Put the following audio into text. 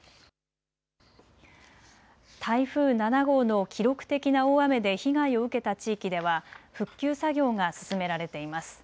台風７号の記録的な大雨で被害を受けた地域では復旧作業が進められています。